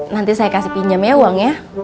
nanti saya kasih pinjamnya uang ya